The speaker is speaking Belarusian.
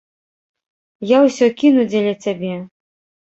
Я ўсё кіну дзеля цябе.